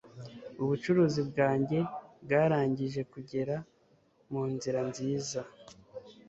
ubucuruzi bwanjye bwarangije kugera munzira nziza